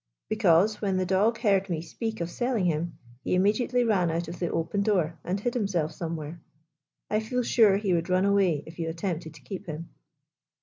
" Because, when the dog heard me speak of selling him, he immediately ran out of the open door and hid himself somewhere. I feel sure he would run away if you attempted to keep him."